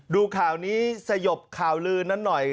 ดูข่าวนี้สยบข่าวลืนนั้นหน่อย